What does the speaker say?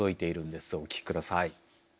お聞きください。